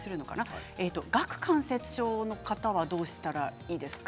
顎関節症の方はどうしたらいいですか？